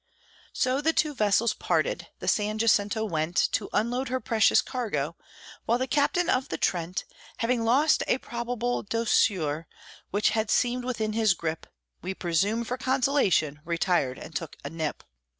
So the two vessels parted; the San Jacinto went To unload her precious cargo, while the captain of the Trent, Having lost a (probable) douceur which had seemed within his grip, We presume, for consolation, retired and took a nip.